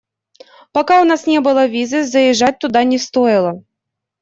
Пока у нас не было визы, заезжать туда не стоило.